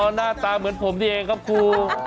หน้าตาเหมือนผมนี่เองครับครู